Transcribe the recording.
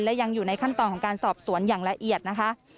และยังอยู่ในขั้นตอนของการสอบสวนอย่างละเอียดนะคะ